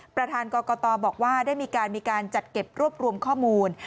ประธานกรกตบอกว่าได้มีการจัดเก็บรวบรวมข้อมูล